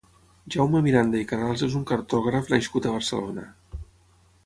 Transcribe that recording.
Jaume Miranda i Canals és un cartògraf nascut a Barcelona.